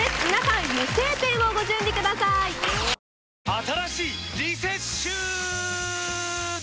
新しいリセッシューは！